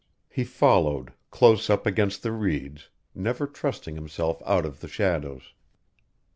He followed, close up against the reeds, never trusting himself out of the shadows.